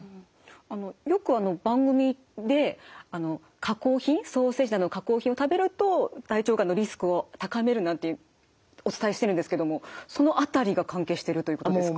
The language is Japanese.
あのよく番組で加工品ソーセージなどの加工品を食べると大腸がんのリスクを高めるなんてお伝えしてるんですけどもその辺りが関係してるということですか？